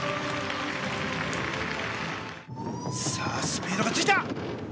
スピードがついた！